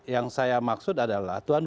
yang saya maksud adalah tuhan